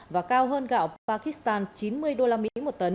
và cao hơn gạo pakistan chín mươi đô la mỹ